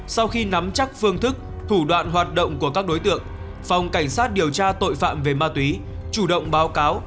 sau khi nắm chắc phương thức thủ đoạn hoạt động của các đối tượng phòng cảnh sát điều tra tội phạm về ma túy chủ động báo cáo